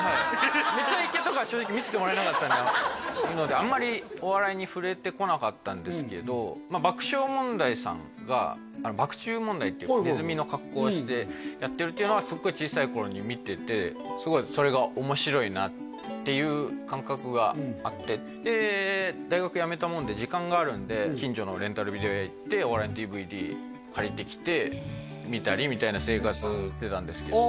「めちゃイケ」とかは正直見せてもらえなかったっていうのであんまりお笑いに触れてこなかったんですけど爆笑問題さんが「爆チュー問題」っていうネズミの格好をしてやってるっていうのはすごい小さい頃に見ててすごいそれが面白いなっていう感覚があってで大学やめたもんで時間があるんで近所のレンタルビデオ屋行ってお笑いのＤＶＤ借りてきて見たりみたいな生活してたんですけど